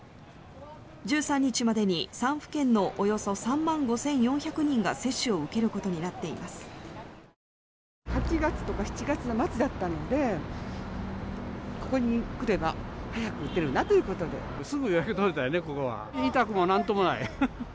１３日までに３府県のおよそ３万５４００人が接種を受けることになっています。